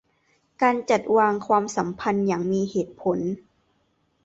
การจัดวางความสัมพันธ์อย่างมีเหตุผล